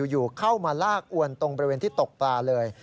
อยู่เข้ามาลากอวนตรงบริเวณที่ตกปลาเลย